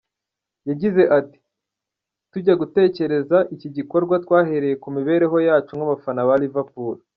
Yagize ati “Tujya gutekereza iki gikorwa twahereye ku mibereho yacu nk’abafana ba Liverpool.